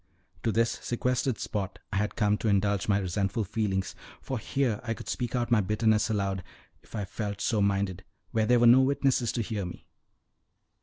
To this sequestered spot I had come to indulge my resentful feelings; for here I could speak out my bitterness aloud, if I felt so minded, where there were no witnesses to hear me.